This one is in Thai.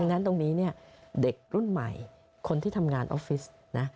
ดังนั้นตรงนี้เนี่ยเด็กรุ่นใหม่คนที่ทำงานออฟฟิศนะ